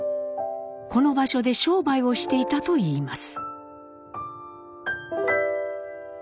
この場所で商売をしていたといいます。